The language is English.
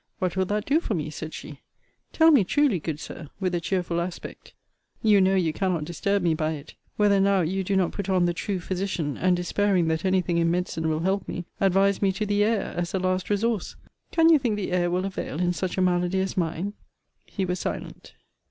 What will that do for me? said she: tell me truly, good Sir, with a cheerful aspect, (you know you cannot disturb me by it,) whether now you do not put on the true physician; and despairing that any thing in medicine will help me, advise me to the air, as the last resource? Can you think the air will avail in such a malady as mine? He was silent.